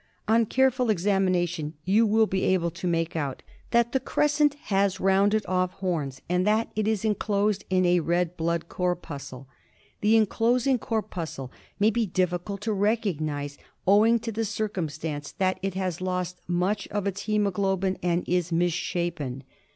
^ On careful examination you will be able to make ^ out that the crescent has rOUnded Off horns, Creacem and lub tertlan rtnra. and that it is enclosed {in a red blood corpuscle. The enclosing corpuscle may be difhcuh to recognise, owing to the circumstance that it has lost much of its hjemoglobin and is misshapen.